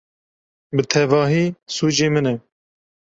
Bi tevahî sûcê min e!